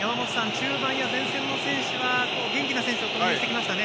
中盤や前線の選手は元気な選手を投入してきましたね。